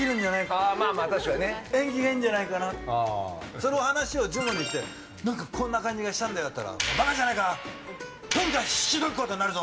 その話をジモンに言って何かこんな感じがしたんだよって言ったらバカじゃないか、フンがひどいことになるぞ！